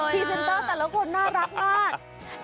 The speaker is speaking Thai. รีเซนเตอร์แต่ละคนน่ารักมาก